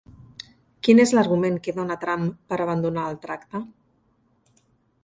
Quin és l'argument que dona Trump per abandonar el tracte?